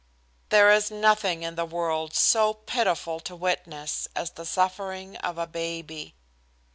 There is nothing in the world so pitiful to witness as the suffering of a baby.